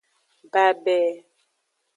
Babe.